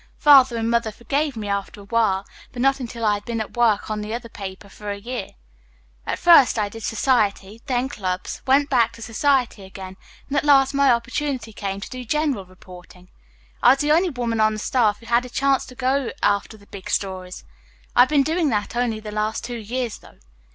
Father and Mother forgave me after awhile, but not until I had been at work on the other paper for a year. "At first I did society, then clubs, went back to society again, and at last my opportunity came to do general reporting. I was the only woman on the staff who had a chance to go after the big stories. I have been doing that only the last two years, though.